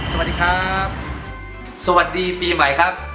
สวัสดีปีใหม่ครับ